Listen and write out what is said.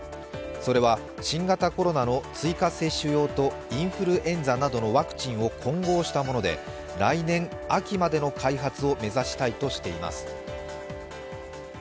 それは、新型コロナの追加接種用とインフルエンザなどのワクチンを混合したもので、来年秋までの開発を目指したいとしています。